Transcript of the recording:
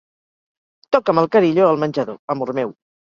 Toca'm el carilló al menjador, amor meu.